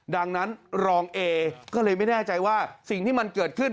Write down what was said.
ดังนั้นรองเอก็เลยไม่แน่ใจว่าสิ่งที่มันเกิดขึ้น